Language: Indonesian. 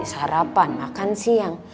sarapan makan siang